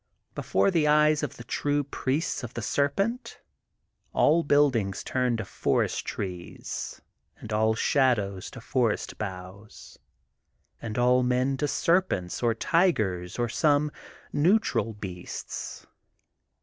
Before the eyes of the THE GOLDEN BOOK OF SPRINGFIELD 257 true priests of the serpent, all buildings turn to forest trees and all shadows to forest boughs, and all men to serpentk or tigers or some neutral beasts.